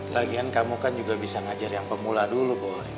lagian kamu kan juga bisa ngajar yang pemula dulu boleh